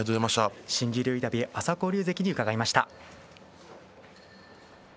新十両インタビュー朝紅龍関に伺いました。